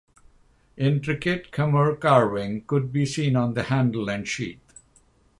Intricate Khmer carving could be seen on the handle and sheath.